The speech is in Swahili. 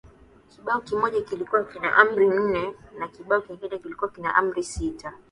Kibao kimoja kilikuwa kina Amri nne na kibao kingine kilikuwa kina Amri sita